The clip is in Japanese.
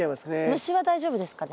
虫は大丈夫ですかね？